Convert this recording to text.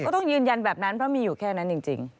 ต้องยืนยันแบบนั้นเพราะมีอยู่แค่นั้นจริง